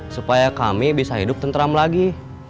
supaya kami bisa hidup tentram lagi